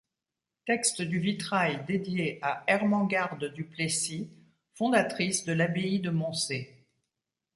Texte du vitrail dédié à Ermengarde du Plessis, fondatrice de l'abbaye de Moncé.